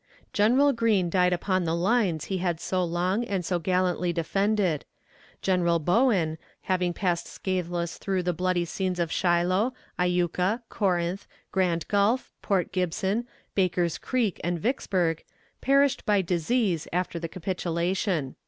General Green died upon the lines he had so long and so gallantly defended. General Bowen, having passed scathless through the bloody scenes of Shiloh, Iuka, Corinth, Grand Gulf, Port Gibson, Baker's Creek, and Vicksburg, perished by disease after the capitulation."